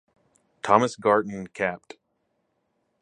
Thomas Garton and Capt.